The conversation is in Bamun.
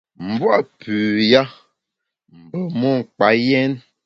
M’bua’ pü ya mbe mon kpa yèn.